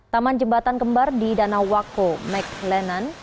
taman jembatan kembar di danau wako mclenan